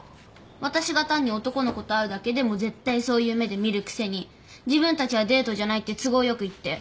私が単に男の子と会うだけでも絶対そういう目で見るくせに自分たちはデートじゃないって都合よく言って。